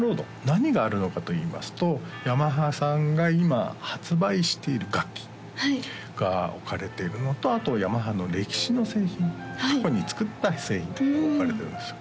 何があるのかといいますとヤマハさんが今発売している楽器が置かれているのとあとヤマハの歴史の製品過去に作った製品が置かれてるんですよ